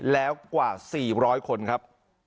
แล้วกว่า๔๐๐คนครับ